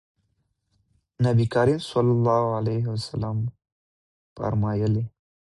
نبي کریم صلی الله علیه وسلم فرمایلي: